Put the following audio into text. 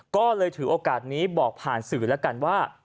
ก็เลยถือโอกาสนี้บอกผ่านสื่อแล้วกันว่า